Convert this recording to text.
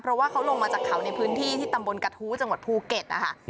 เพราะว่าเขาลงมาจากเขาในพื้นที่ที่ตำบลกระทู้จังหวัดภูเก็ตนะคะ